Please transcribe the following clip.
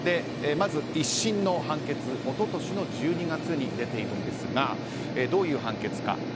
まず１審の判決、一昨年の１２月に出ているんですがどういう判決か。